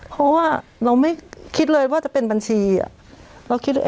เพราะว่าเราไม่คิดเลยว่าจะเป็นบัญชีอ่ะ